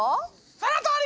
そのとおり！